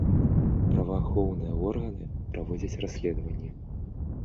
Праваахоўныя органы праводзяць расследаванне.